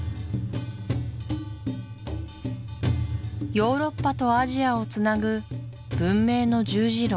ヨーロッパとアジアをつなぐ文明の十字路